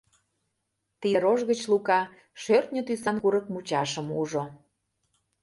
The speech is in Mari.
Тиде рож гыч Лука шӧртньӧ тӱсан курык мучашым ужо.